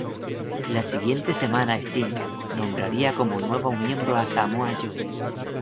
La siguiente semana Sting nombraría como nuevo miembro a Samoa Joe.